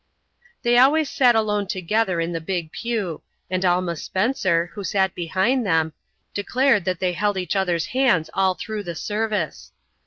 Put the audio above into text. They always sat alone together in the big pew, and Alma Spencer, who sat behind them, declared that they held each other's hands all through the service.